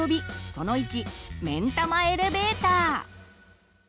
その１「めんたまエレベーター」。